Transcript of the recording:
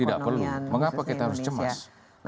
tidak perlu mengapa kita harus cemas